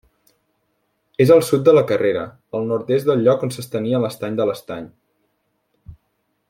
És al sud de la Carrera, al nord-est del lloc on s'estenia l'estany de l'Estany.